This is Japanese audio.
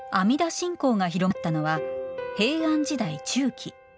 信仰が広まったのは平安時代中期。